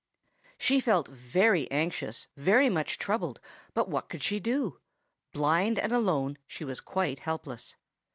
She felt very anxious, very much troubled; but what could she do? Blind and alone, she was quite helpless.